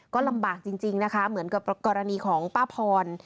ก็ลำบากจริงนะคะเหมือนกับกรณีของป้าพร